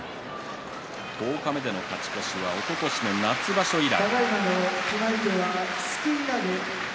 十日目の勝ち越しはおととしの夏場所以来。